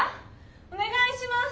おねがいします！